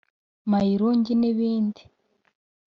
Mayirungi n’ibindi